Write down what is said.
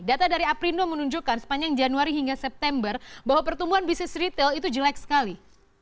data dari aprindo menunjukkan sepanjang januari hingga september bahwa pertumbuhan bisnis retail itu jelek sekali